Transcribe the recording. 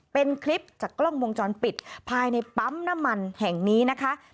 เป็นคลิปจากกล้องวงจรปิดภายในปั๊มน้ำมันแห่งนี้นะคะ